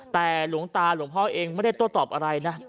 แต่หลวงตาหลวงพ่อเองไม่ได้โต้ตอบอะไรนะ